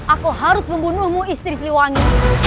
aku harus membunuhmu istri siliwangi